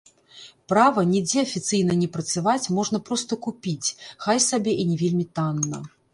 Права нідзе афіцыйна не працаваць можна проста купіць, хай сабе і не вельмі танна.